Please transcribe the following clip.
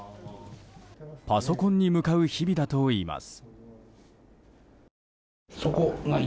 パソコンに向かう日々だといいます。